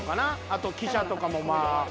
あと記者とかもまぁ。